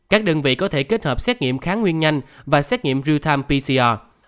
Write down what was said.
các đơn vị có thể kết hợp xét nghiệm kháng nguyên nhanh và xét nghiệm real time pcr